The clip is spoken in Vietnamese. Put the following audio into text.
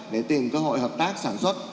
để tìm cơ hội hợp tác sản xuất